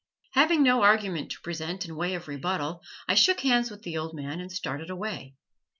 Having no argument to present in way of rebuttal, I shook hands with the old man and started away.